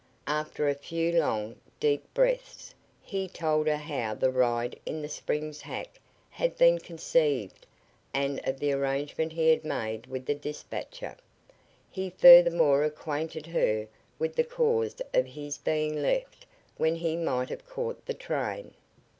After a few long, deep breaths he told her how the ride in the Springs hack had been conceived and of the arrangement he had made with the despatcher. He furthermore acquainted her with the cause of his being left when he might have caught the train.